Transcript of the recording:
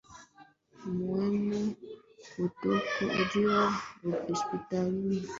Mume kutokuja hospitalini siku mbili